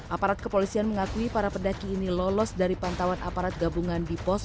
aparat kepolisian mengakui para pendaki ini lolos dari pantauan aparat gabungan di pos